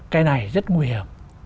cái này rất nguy hiểm